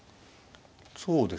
そうですね。